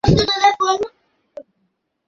নিজের চেষ্টায় তিনি জার্মান শেখেন।